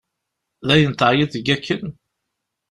Dayen teεyiḍ deg akken?